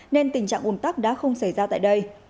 nên tình trạng ồn tắc đã không xảy ra tại đây